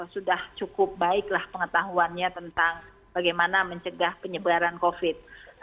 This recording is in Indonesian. sudah cukup baiklah pengetahuannya tentang bagaimana mencegah penyebaran covid